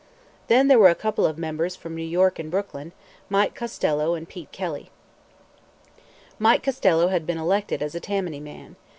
Then there were a couple of members from New York and Brooklyn, Mike Costello and Pete Kelly. Mike Costello had been elected as a Tammany man.